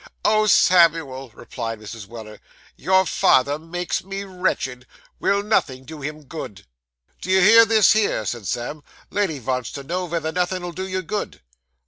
'Oh, Samuel!' replied Mrs. Weller, 'your father makes me wretched. Will nothing do him good?' 'Do you hear this here?' said Sam. 'Lady vants to know vether nothin' 'ull do you good.